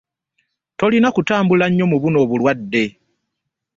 Tolina kutambula nnyo mu buno obulwade.